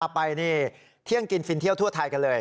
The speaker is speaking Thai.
ไปนี่เที่ยงกินฟินเที่ยวทั่วไทยกันเลย